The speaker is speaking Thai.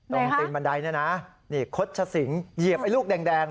ตรงตีนบันไดนี่นะขดชะสิงเหยียบลูกแดง